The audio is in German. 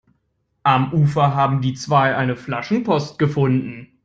Am Ufer haben die zwei eine Flaschenpost gefunden.